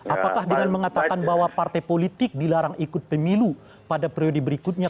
apakah dengan mengatakan bahwa partai politik dilarang ikut pemilu pada periode berikutnya